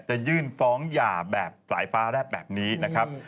จะยื่นฟ้องหย่าแบบสายฟ้าแรบแบบนี้นะครับ